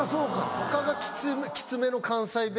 他がきつめの関西弁。